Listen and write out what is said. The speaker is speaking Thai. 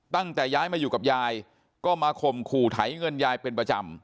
ตั้งแต่ย้ายมาอยู่กับยายก็มาข่มขู่ไถเงินยายเป็นประจำ